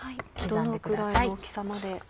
どのぐらいの大きさまで？